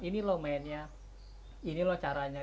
ini loh mainnya ini loh caranya